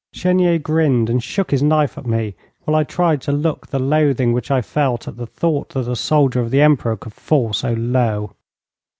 Chenier grinned and shook his knife at me, while I tried to look the loathing which I felt at the thought that a soldier of the Emperor could fall so low.